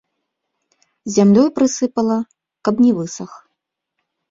Зямлёй прысыпала, каб не высах.